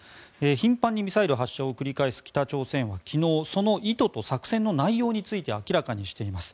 頻繁にミサイル発射を繰り返す北朝鮮は昨日その意図と内容について明らかにしています。